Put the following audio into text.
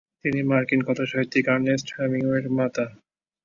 তিনি মার্কিন কথাসাহিত্যিক আর্নেস্ট হেমিংওয়ের মাতা।